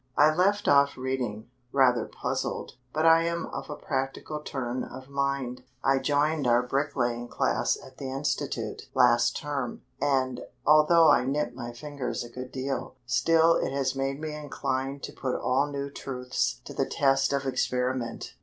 I left off reading, rather puzzled, but I am of a practical turn of mind. I joined our bricklaying class at the institute last term, and, although I nip my fingers a good deal, still it has made me inclined to put all new truths to the test of experiment.